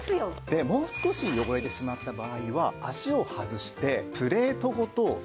でもう少し汚れてしまった場合は脚を外してプレートごと水洗いできるのもね